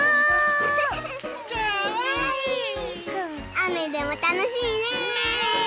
あめでもたのしいね！ね！